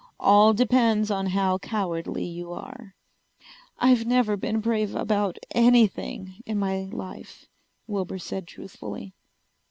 All depends on how cowardly you are." "I've never been brave about anything in my life," Wilbur said truthfully.